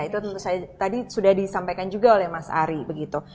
itu tentu saja tadi sudah disampaikan juga oleh mas ari begitu